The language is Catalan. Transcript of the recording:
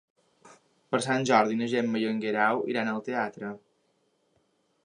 Per Sant Jordi na Gemma i en Guerau iran al teatre.